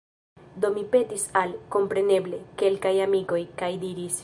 Do mi petis al, kompreneble, kelkaj amikoj, kaj diris: